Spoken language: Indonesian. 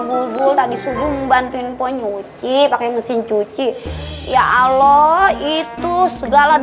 bulgul tadi suguh membantuin po nyuci pakai mesin cuci ya allah itu segala